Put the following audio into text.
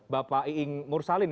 bapak iing mursalin